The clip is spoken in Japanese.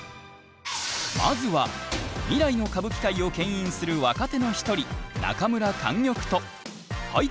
まずは未来の歌舞伎界をけん引する若手の一人中村莟玉と俳句